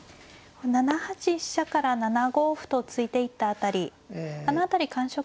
７八飛車から７五歩と突いていった辺りあの辺り感触としてはいかがでしたか。